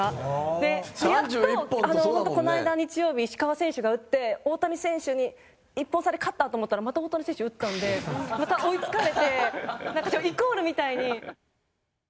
でやっとこの間の日曜日石川選手が打って大谷選手に１本差で勝ったと思ったらまた大谷選手が打ったんでまた追い付かれてなんかイコールみたいに。